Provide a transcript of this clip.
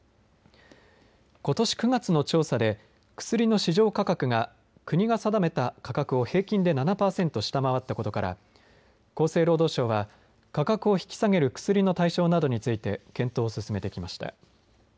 ことし９月の調査で薬の市場価格が国が定めた価格を平均で７パーセント下回ったことから厚生労働省は、価格を引き下げる薬の対象などについて検討を進めてきました。